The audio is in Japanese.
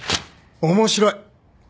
面白い！